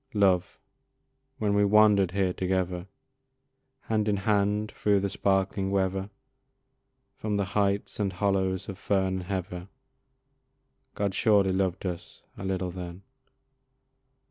Love! when we wander'd here together, Hand in hand through the sparkling weather, From the heights and hollows of fern and heather, God surely loved us a little then.